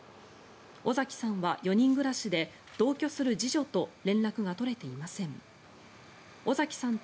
尾碕さんは４人暮らしで同居する次女と連絡が取れていません。